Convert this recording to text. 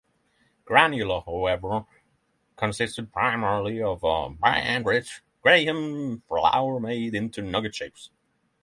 Granula however, consisted primarily of bran-rich Graham flour made into nugget shapes.